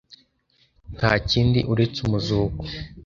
nta kindi uretse umuzuko